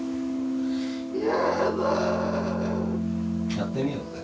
やってみようぜ。